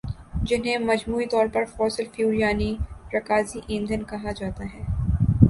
جنہیں مجموعی طور پر فوسل فیول یعنی رکازی ایندھن کہا جاتا ہے